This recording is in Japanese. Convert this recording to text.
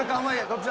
どっち？